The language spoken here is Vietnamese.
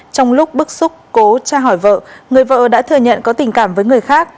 trong lúc bức xúc cố cha hỏi vợ người vợ đã thừa nhận có tình cảm với người khác